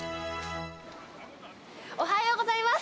おはようございます！